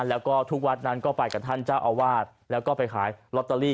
แล้วก็ทุกวัดนั้นก็ไปกับท่านเจ้าอาวาสแล้วก็ไปขายลอตเตอรี่